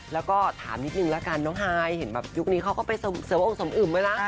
แล้วก็ถามนิดนึงละกันน้องฮายเห็นแบบยุคนี้เขาก็ไปเสริมองสมอึมไหมล่ะ